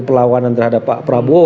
pelawanan terhadap pak prabowo